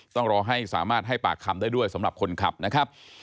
ต้องรอให้สามารถให้ปากคำได้ด้วยสำหรับคนขับนะครับ